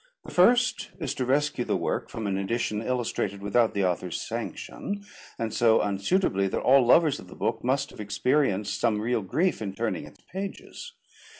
The first is to rescue the work from an edition illustrated without the author's sanction, and so unsuitably that all lovers of the book must have experienced some real grief in turning its pages.